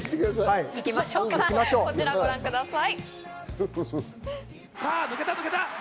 行きましょう、こちらをご覧ください。